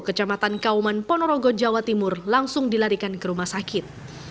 kecamatan kauman ponorogo jawa timur langsung dilarikan ke rumah sakit